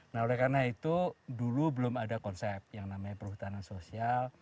nah oleh karena itu dulu belum ada konsep yang namanya perhutanan sosial